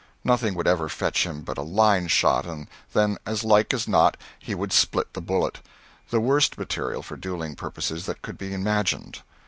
Nothing would ever fetch him but a line shot, and then as like as not he would split the bullet the worst material for duelling purposes that could be imagined.